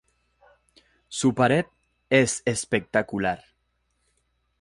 Su pared es espectacular.